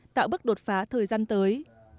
tạo bức đột phá thời gian tới